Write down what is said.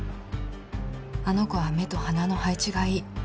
あの子は目と鼻の配置がいい。